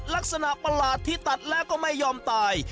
ลักษณะประหลาดที่ตัดแล้วก็ไม่ยอมตาย